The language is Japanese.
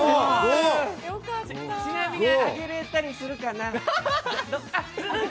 ちなみに、あげれたりするかな？